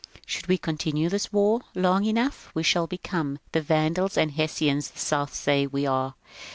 Should we continue this war long enough, we shall become the Vandals and Hessians the South says we are.